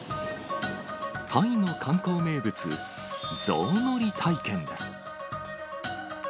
タイの観光名物、ゾウ乗り体験です。